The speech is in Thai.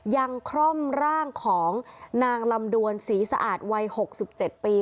คร่อมร่างของนางลำดวนศรีสะอาดวัย๖๗ปี